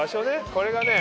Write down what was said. これがね